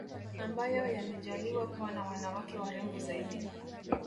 ambayo yamejaaliwa kuwa na wanawake warembo zaidi